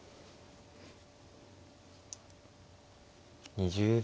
２０秒。